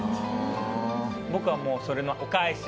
僕はもうそれのお返し。